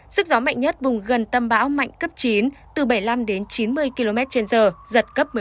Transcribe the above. sức gió mạnh nhất vùng gần tâm bão mạnh cấp chín từ bảy mươi năm đến chín mươi km trên giờ giật cấp một mươi năm